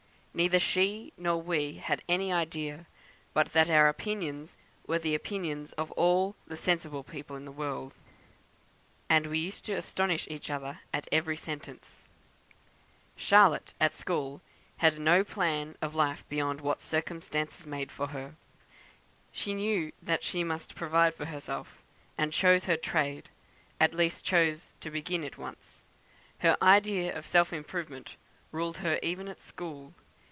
Neither she nor we had any idea but that our opinions were the opinions of all the sensible people in the world, and we used to astonish each other at every sentence ... Charlotte, at school, had no plan of life beyond what circumstances made for her. She knew that she must provide for herself, and chose her trade; at least chose to begin it once. Her idea of self improvement ruled her even at school.